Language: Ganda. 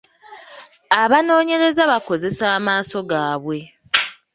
Abanoonyereza bakozesa amaaso gaabwe.